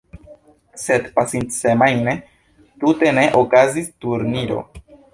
Sed pasintsemajne tute ne okazis turniro.